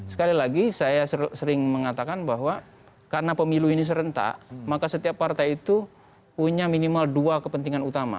sekali lagi saya sering mengatakan bahwa karena pemilu ini serentak maka setiap partai itu punya minimal dua kepentingan utama